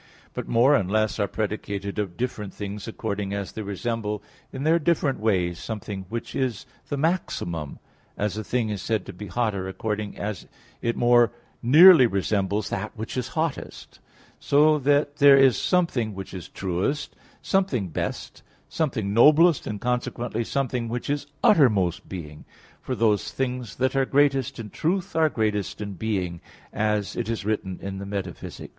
But more and less are predicated of different things, according as they resemble in their different ways something which is the maximum, as a thing is said to be hotter according as it more nearly resembles that which is hottest; so that there is something which is truest, something best, something noblest and, consequently, something which is uttermost being; for those things that are greatest in truth are greatest in being, as it is written in Metaph. ii.